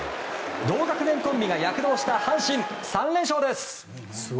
同学年コンビが躍動した阪神３連勝です。